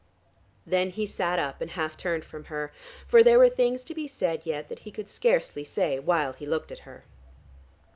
Then he sat up: and half turned from her, for there were things to be said yet that he could scarcely say while he looked at her.